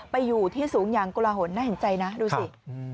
ไปอยู่ที่สูงอย่างกุลาหลน่าเห็นใจนะดูสิ